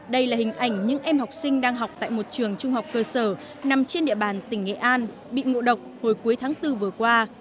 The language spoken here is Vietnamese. đây là hình ảnh những em học sinh đang học tại một trường trung học cơ sở nằm trên địa bàn tỉnh nghệ an bị ngộ độc hồi cuối tháng bốn vừa qua